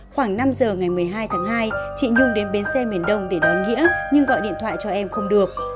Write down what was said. khoảng năm giờ ngày một mươi hai tháng hai chị nhung đến bến xe miền đông để đón nghĩa nhưng gọi điện thoại cho em không được